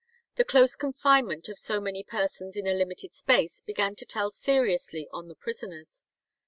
The close confinement of so many persons in a limited space began to tell seriously on the prisoners.